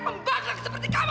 membangun seperti kamu